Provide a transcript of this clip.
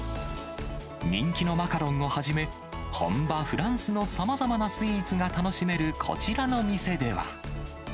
人気のマカロンをはじめ、本場フランスのさまざまなスイーツが楽しめるこちらの店では。